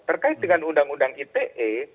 terkait dengan undang undang ite